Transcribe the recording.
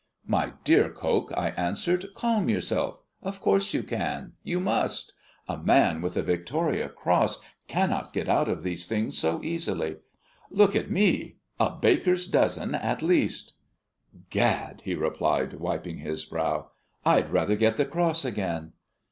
"My dear Coke," I answered, "calm yourself. Of course you can you must! A man with the Victoria Cross cannot get out of these things so easily. Look at me a baker's dozen at least." "Gad," he replied, wiping his brow, "I'd rather get the Cross again."